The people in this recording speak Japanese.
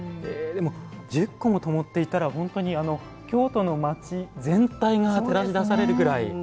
１０個も、ともっていたら本当に京都の町全体が照らし出されるぐらい。